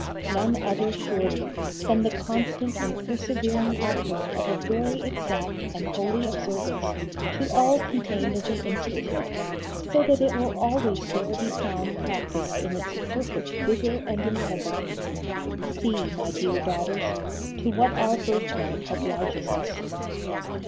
None other surely than the constant and persevering offering of a very exact and holy observance to all contained in the Institute, so that it will always there be found practised in its perfect vigour and integrity. See, my dear daughters, to what our birthright obliges us.